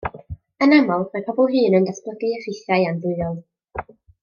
Yn aml, mae pobl hŷn yn datblygu effeithiau andwyol.